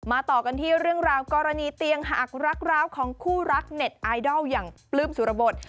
ต่อกันที่เรื่องราวกรณีเตียงหักรักร้าวของคู่รักเน็ตไอดอลอย่างปลื้มสุรบท